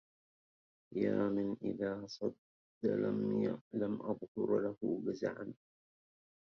يا من إذا صد لم أظهر له جزعا